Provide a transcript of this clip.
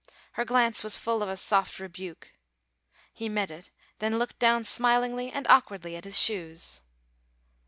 Her glance was full of a soft rebuke. He met it, then looked down smilingly and awkwardly at his shoes.